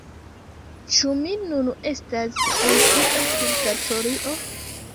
Ĉu mi nun estas en ia purgatorio?